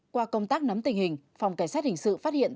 qua công tác nắm tình hình phòng cảnh sát hình sự phát hiện